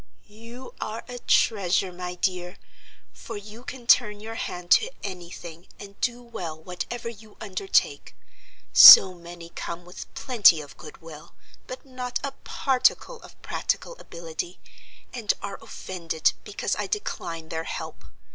"You are a treasure, my dear, for you can turn your hand to any thing and do well whatever you undertake. So many come with plenty of good will, but not a particle of practical ability, and are offended because I decline their help.